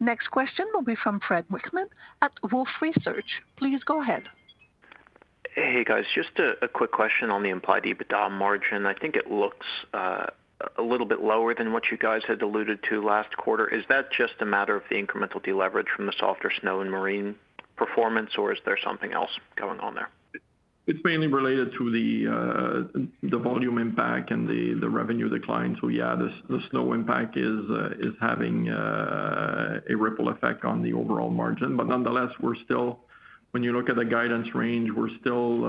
Speaker 1: Next question will be from Fred Wightman at Wolfe Research. Please go ahead.
Speaker 14: Hey, guys. Just a quick question on the implied EBITDA margin. I think it looks a little bit lower than what you guys had alluded to last quarter. Is that just a matter of the incremental deleverage from the softer snow and marine performance, or is there something else going on there?
Speaker 4: It's mainly related to the volume impact and the revenue decline. So yeah, the snow impact is having a ripple effect on the overall margin. But nonetheless, when you look at the guidance range, we're still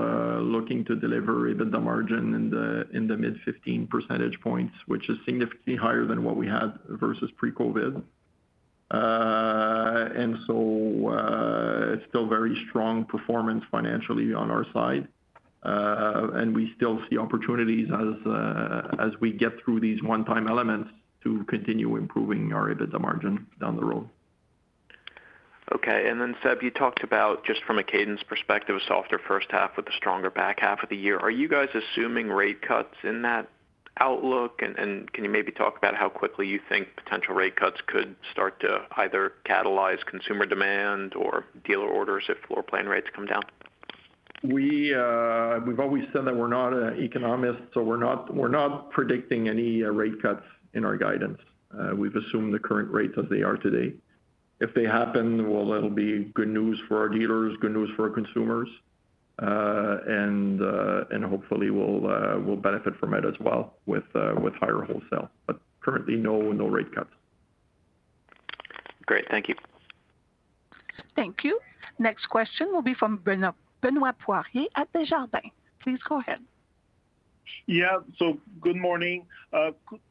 Speaker 4: looking to deliver EBITDA margin in the mid-15 percentage points, which is significantly higher than what we had versus pre-COVID. And so it's still very strong performance financially on our side. And we still see opportunities as we get through these one-time elements to continue improving our EBITDA margin down the road.
Speaker 14: Okay. And then Seb, you talked about just from a cadence perspective, a softer first half with a stronger back half of the year. Are you guys assuming rate cuts in that outlook? And can you maybe talk about how quickly you think potential rate cuts could start to either catalyze consumer demand or dealer orders if floor plan rates come down?
Speaker 4: We've always said that we're not economists, so we're not predicting any rate cuts in our guidance. We've assumed the current rates as they are today. If they happen, well, that'll be good news for our dealers, good news for our consumers. And hopefully, we'll benefit from it as well with higher wholesale. But currently, no, no rate cuts.
Speaker 14: Great. Thank you.
Speaker 1: Thank you. Next question will be from Benoit Poirier at Desjardins. Please go ahead.
Speaker 15: Yeah. So good morning.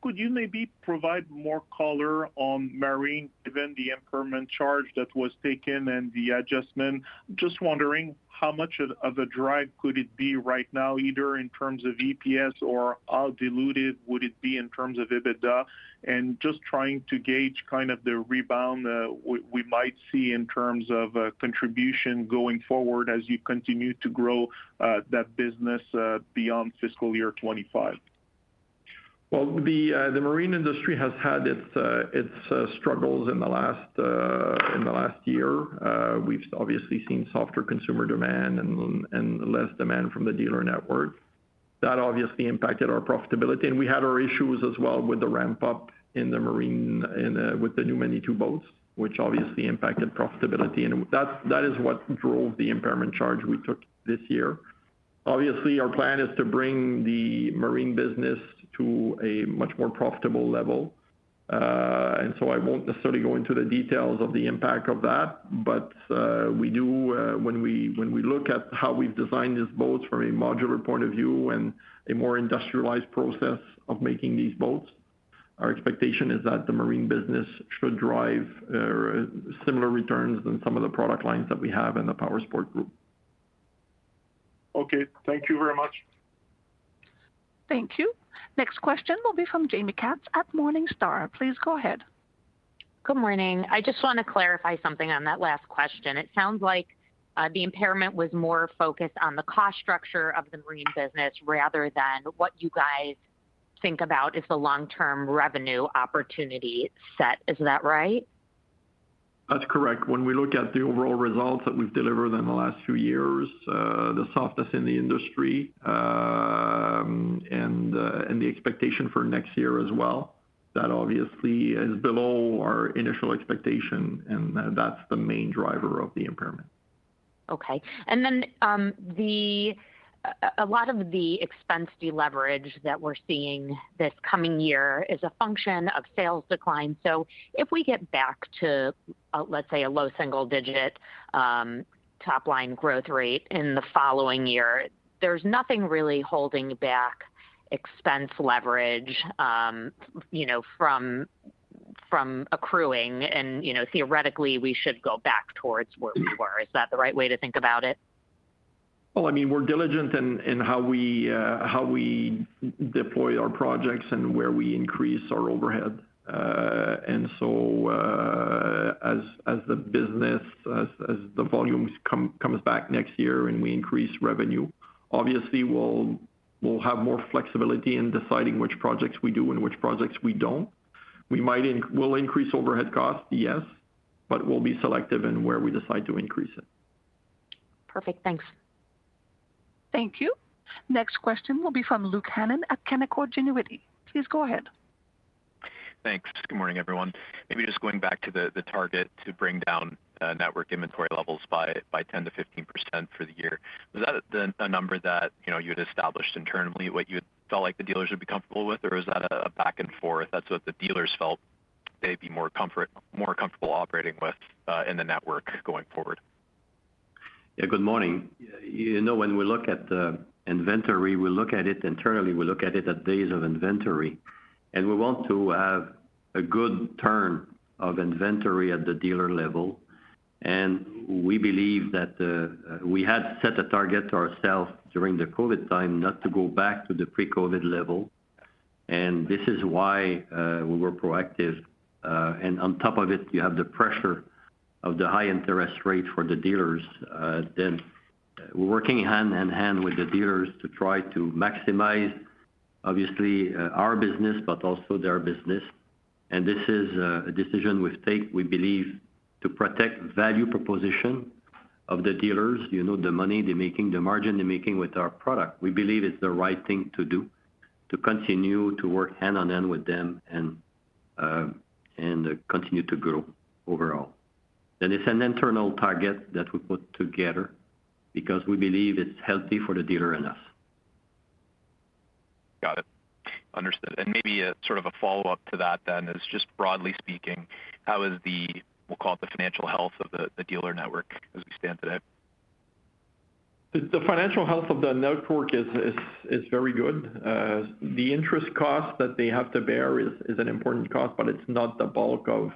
Speaker 15: Could you maybe provide more color on marine, given the impairment charge that was taken and the adjustment? Just wondering how much of a drive could it be right now, either in terms of EPS or how diluted would it be in terms of EBITDA? And just trying to gauge kind of the rebound we might see in terms of contribution going forward as you continue to grow that business beyond fiscal year 2025.
Speaker 4: Well, the marine industry has had its struggles in the last year. We've obviously seen softer consumer demand and less demand from the dealer network. That obviously impacted our profitability. And we had our issues as well with the ramp-up in the marine with the new Manitou boats, which obviously impacted profitability. And that is what drove the impairment charge we took this year. Obviously, our plan is to bring the marine business to a much more profitable level. And so I won't necessarily go into the details of the impact of that, but when we look at how we've designed these boats from a modular point of view and a more industrialized process of making these boats, our expectation is that the marine business should drive similar returns than some of the product lines that we have in the Powersports group.
Speaker 15: Okay. Thank you very much.
Speaker 1: Thank you. Next question will be from Jamie Katz at Morningstar. Please go ahead.
Speaker 16: Good morning. I just want to clarify something on that last question. It sounds like the impairment was more focused on the cost structure of the marine business rather than what you guys think about as the long-term revenue opportunity set. Is that right?
Speaker 4: That's correct. When we look at the overall results that we've delivered in the last few years, the softness in the industry, and the expectation for next year as well, that obviously is below our initial expectation. That's the main driver of the impairment.
Speaker 16: Okay. And then a lot of the expense leverage that we're seeing this coming year is a function of sales decline. So if we get back to, let's say, a low single-digit top-line growth rate in the following year, there's nothing really holding back expense leverage from accruing. And theoretically, we should go back towards where we were. Is that the right way to think about it?
Speaker 4: Well, I mean, we're diligent in how we deploy our projects and where we increase our overhead. And so as the volume comes back next year and we increase revenue, obviously, we'll have more flexibility in deciding which projects we do and which projects we don't. We'll increase overhead costs, yes, but we'll be selective in where we decide to increase it.
Speaker 16: Perfect. Thanks.
Speaker 1: Thank you. Next question will be from Luke Hannan at Canaccord Genuity. Please go ahead.
Speaker 17: Thanks. Good morning, everyone. Maybe just going back to the target to bring down network inventory levels by 10%-15% for the year. Was that a number that you had established internally, what you felt like the dealers would be comfortable with, or was that a back and forth? That's what the dealers felt they'd be more comfortable operating with in the network going forward.
Speaker 3: Yeah. Good morning. When we look at inventory, we look at it internally. We look at it at days of inventory. And we want to have a good turn of inventory at the dealer level. And we believe that we had set a target to ourselves during the COVID time not to go back to the pre-COVID level. And this is why we were proactive. And on top of it, you have the pressure of the high interest rate for the dealers. Then we're working hand in hand with the dealers to try to maximize, obviously, our business but also their business. And this is a decision we've taken, we believe, to protect value proposition of the dealers, the money they're making, the margin they're making with our product. We believe it's the right thing to do, to continue to work hand in hand with them and continue to grow overall. It's an internal target that we put together because we believe it's healthy for the dealer and us.
Speaker 17: Got it. Understood. Maybe sort of a follow-up to that then is, just broadly speaking, how is the, we'll call it, the financial health of the dealer network as we stand today?
Speaker 4: The financial health of the network is very good. The interest cost that they have to bear is an important cost, but it's not the bulk of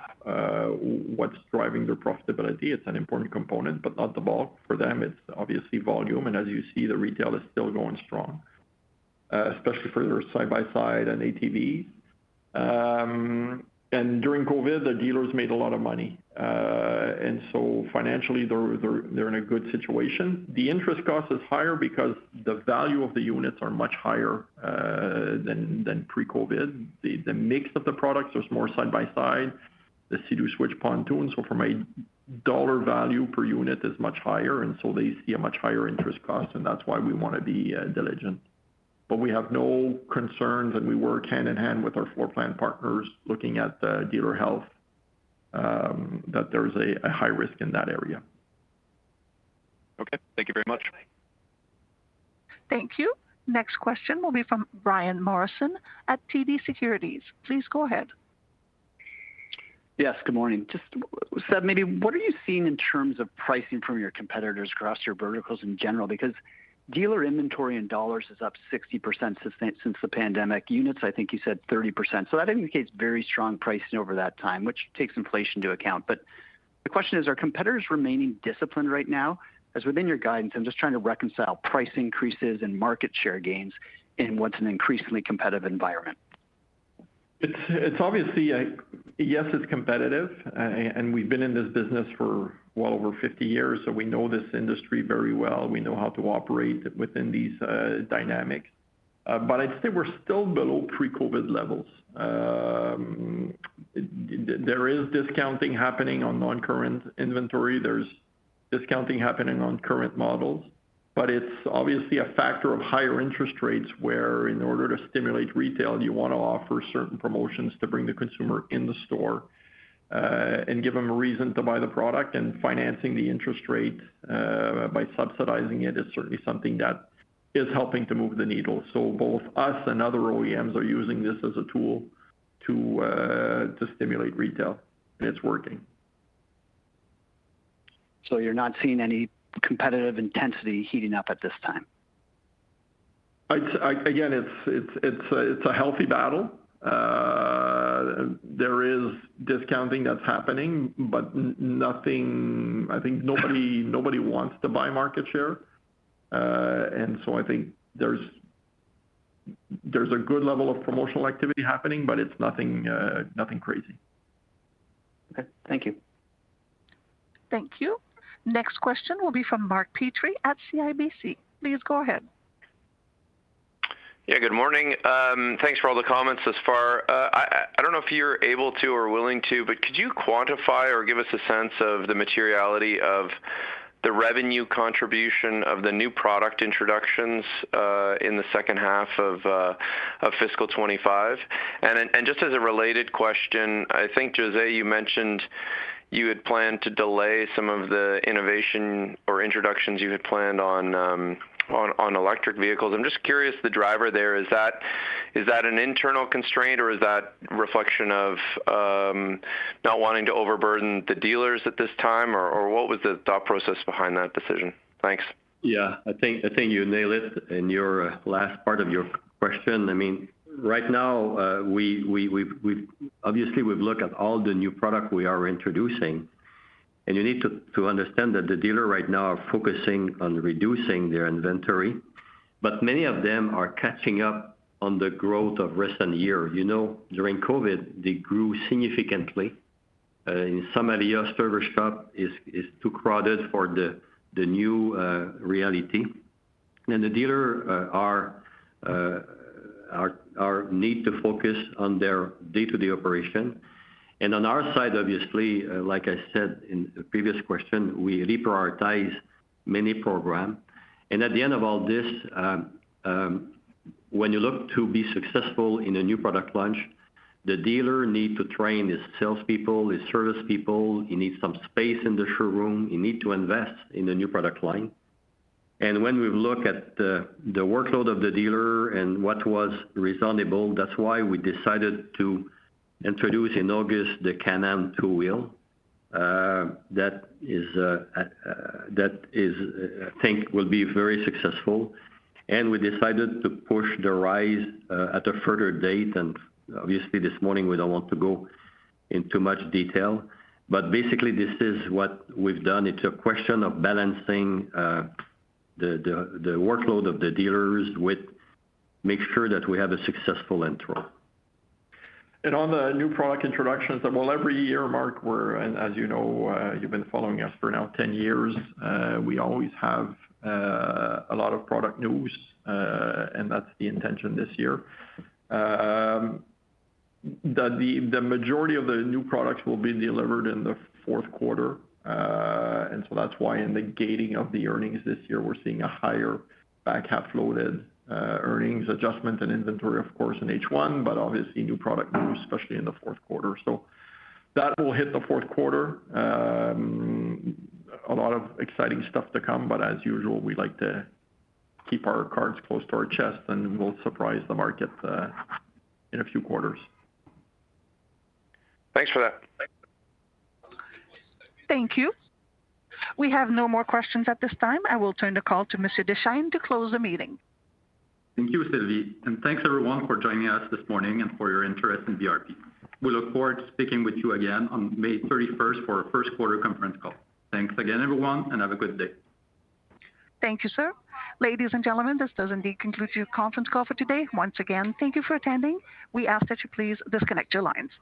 Speaker 4: what's driving their profitability. It's an important component, but not the bulk. For them, it's obviously volume. As you see, the retail is still going strong, especially for their side-by-side and ATVs. During COVID, the dealers made a lot of money. So financially, they're in a good situation. The interest cost is higher because the value of the units are much higher than pre-COVID. The mix of the products is more side-by-side, the Sea-Doo Switch pontoon. So from a dollar value per unit, it's much higher. So they see a much higher interest cost. That's why we want to be diligent. But we have no concerns, and we work hand in hand with our floor plan partners looking at the dealer health, that there's a high risk in that area.
Speaker 17: Okay. Thank you very much.
Speaker 1: Thank you. Next question will be from Brian Morrison at TD Securities. Please go ahead.
Speaker 18: Yes. Good morning. Just, Seb, maybe what are you seeing in terms of pricing from your competitors across your verticals in general? Because dealer inventory in dollars is up 60% since the pandemic. Units, I think you said 30%. So that indicates very strong pricing over that time, which takes inflation into account. But the question is, are competitors remaining disciplined right now? Because within your guidance, I'm just trying to reconcile price increases and market share gains in what's an increasingly competitive environment.
Speaker 4: Yes, it's competitive. And we've been in this business for well over 50 years, so we know this industry very well. We know how to operate within these dynamics. But I'd say we're still below pre-COVID levels. There is discounting happening on non-current inventory. There's discounting happening on current models. But it's obviously a factor of higher interest rates where, in order to stimulate retail, you want to offer certain promotions to bring the consumer in the store and give them a reason to buy the product. And financing the interest rate by subsidizing it is certainly something that is helping to move the needle. So both us and other OEMs are using this as a tool to stimulate retail, and it's working.
Speaker 18: You're not seeing any competitive intensity heating up at this time?
Speaker 4: Again, it's a healthy battle. There is discounting that's happening, but I think nobody wants to buy market share. And so I think there's a good level of promotional activity happening, but it's nothing crazy.
Speaker 18: Okay. Thank you.
Speaker 1: Thank you. Next question will be from Mark Petrie at CIBC. Please go ahead.
Speaker 19: Yeah. Good morning. Thanks for all the comments thus far. I don't know if you're able to or willing to, but could you quantify or give us a sense of the materiality of the revenue contribution of the new product introductions in the second half of fiscal 2025? And just as a related question, I think, José, you mentioned you had planned to delay some of the innovation or introductions you had planned on electric vehicles. I'm just curious, the driver there, is that an internal constraint, or is that a reflection of not wanting to overburden the dealers at this time? Or what was the thought process behind that decision? Thanks.
Speaker 3: Yeah. I think you nailed it in your last part of your question. I mean, right now, obviously, we've looked at all the new products we are introducing. And you need to understand that the dealers right now are focusing on reducing their inventory. But many of them are catching up on the growth of recent years. During COVID, they grew significantly. In some areas, service shops are too crowded for the new reality. And the dealers need to focus on their day-to-day operation. And on our side, obviously, like I said in the previous question, we reprioritize many programs. And at the end of all this, when you look to be successful in a new product launch, the dealer needs to train his salespeople, his service people. He needs some space in the showroom. He needs to invest in a new product line. When we've looked at the workload of the dealer and what was reasonable, that's why we decided to introduce in August the Can-Am two-wheel. That, I think, will be very successful. We decided to push the Ryker at a further date. Obviously, this morning, we don't want to go into much detail. But basically, this is what we've done. It's a question of balancing the workload of the dealers with making sure that we have a successful intro.
Speaker 4: On the new product introductions that, well, every year, Mark, as you know, you've been following us for now 10 years, we always have a lot of product news. That's the intention this year. The majority of the new products will be delivered in the fourth quarter. That's why in the gating of the earnings this year, we're seeing a higher back half loaded earnings adjustment and inventory, of course, in H1, but obviously, new product news, especially in the fourth quarter. That will hit the fourth quarter. A lot of exciting stuff to come. As usual, we like to keep our cards close to our chest, and we'll surprise the market in a few quarters.
Speaker 19: Thanks for that.
Speaker 1: Thank you. We have no more questions at this time. I will turn the call to Mr. Deschênes to close the meeting.
Speaker 2: Thank you, Sylvie. Thanks, everyone, for joining us this morning and for your interest in BRP. We look forward to speaking with you again on May 31st for our first quarter conference call. Thanks again, everyone, and have a good day.
Speaker 1: Thank you, sir. Ladies and gentlemen, this does indeed conclude your conference call for today. Once again, thank you for attending. We ask that you please disconnect your lines.